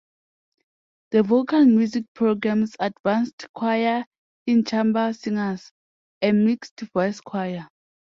The vocal music program's advanced choir is Chamber Singers, a mixed voice choir.